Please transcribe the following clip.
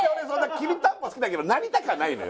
きりたんぽ好きだけどなりたくはないのよ